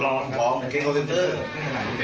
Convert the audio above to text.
แล้วอันนี้คืออะไร